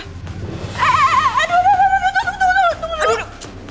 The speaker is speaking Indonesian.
eh eh eh aduh aduh tunggu tunggu tunggu